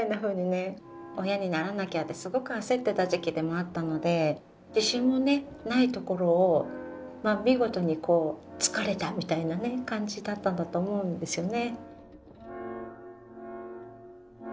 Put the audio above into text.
親にならなきゃってすごく焦ってた時期でもあったので自信もねないところを見事につかれたみたいなね感じだったんだと思うんですよね。